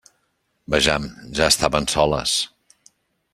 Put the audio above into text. Vejam, ja estaven soles.